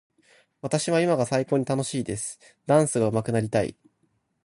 私は今が最高に楽しいです。ダンスがうまくなりたい。